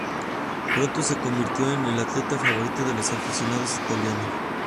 Pronto se convirtió en la atleta favorita de los aficionados italianos.